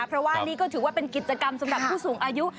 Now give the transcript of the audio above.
เพราะว่านี่ก็ถือว่าเป็นกิจกรรมสำหรับผู้สูงอายุ